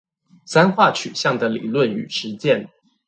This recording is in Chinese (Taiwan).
三化取向的理論與實踐